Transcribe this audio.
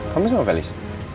kamu sama felis